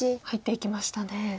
入っていきましたね。